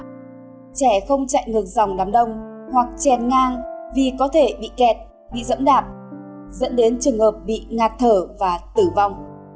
trẻ không chạy ngược dòng đám đông hoặc chèn ngang vì có thể bị kẹt bị dẫm đạp dẫn đến trường hợp bị ngạt thở và tử vong